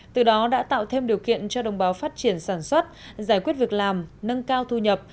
từ đó đã tạo thêm điều kiện cho đồng bào phát triển sản xuất giải quyết việc làm nâng cao thu nhập